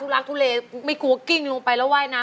เพลงที่๑มูลค่า๑๐๐๐๐บาท